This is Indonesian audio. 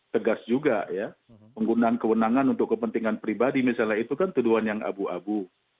tegas juga ya penggunaan kewenangan untuk kepentingan pribadi misalnya itu kan tuduhan yang abu abu